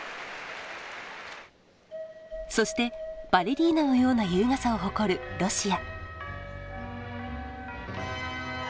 そしてバレリーナのような優雅さを誇るロシア。